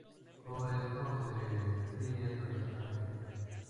Todo esto se fríe tradicionalmente.